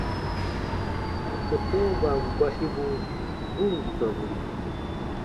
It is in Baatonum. Fotoban gɔsibu bu ǹ sɔmburu.